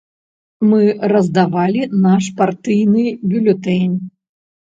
Мы раздавалі наш партыйны бюлетэнь.